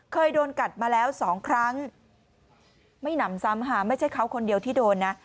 เคยโดนกัดมาแล้วสองครั้งไม่หนำซ้ำค่ะไม่ใช่เขาคนเดียวที่โดนนะ